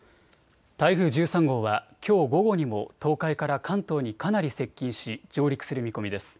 台風１３号はきょう午後にも東海から関東にかなり接近し上陸する見込みです。